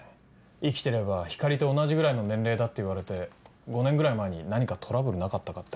生きてれば光莉と同じぐらいの年齢だって言われて５年ぐらい前に何かトラブルなかったかって。